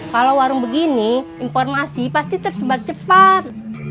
kalau warung begini informasi pasti tersebar cepat